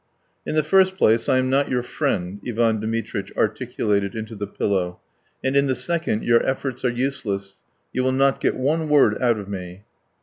"In the first place, I am not your friend," Ivan Dmitritch articulated into the pillow; "and in the second, your efforts are useless; you will not get one word out of me."